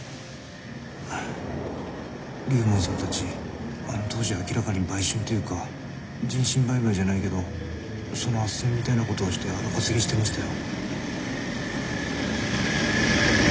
龍門さんたちあの当時明らかに売春っていうか人身売買じゃないけどその斡旋みたいなことをして荒稼ぎしてましたよ。